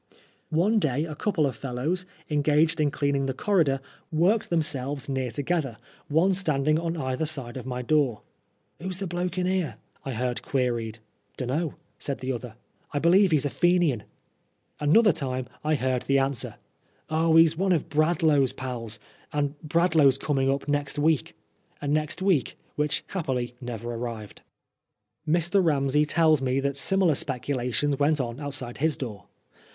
One day a couple of fellows, engaged in cleaning the corridor, worked themselves near together, one standing on either side of my door. " 'VVTio's the bloke in yer?" I heard queried. '* Dunno," said the other, " I b'lieve he's a Fenian." Another time I heard the answer, " Oh, he's one of Bradlaugh's pals ; and Bradlaugh'a coming up next week "— a next week which happily never arrived. Mr. Ramsey tells me that similar speculations went on outside his door.